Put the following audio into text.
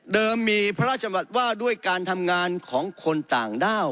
มีพระราชบัตรว่าด้วยการทำงานของคนต่างด้าว